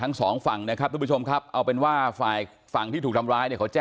ต้องล่องเขาเข้าไล่ตีนขึ้นมาแล้วก็